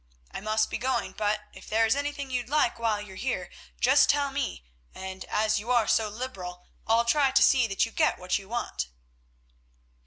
I must be going, but if there is anything you'd like while you're here just tell me, and as you are so liberal I'll try and see that you get what you want."